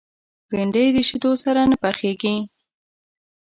بېنډۍ د شیدو سره نه پخېږي